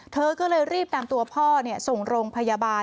เธอก็เลยรีบนำตัวพ่อส่งโรงพยาบาล